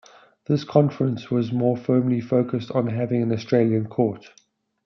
This conference was more firmly focussed on having an Australian court.